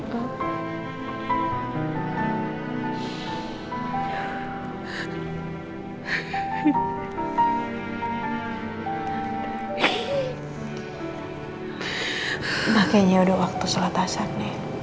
kayaknya udah waktu sholat asap nih